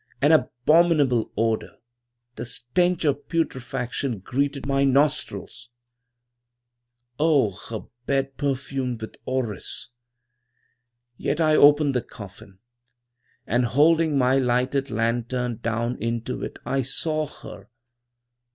An abominable odor, the stench of putrefaction, greeted my nostrils. Oh, her bed perfumed with orris! "Yet I opened the coffin, and, holding my lighted lantern down into it I saw her.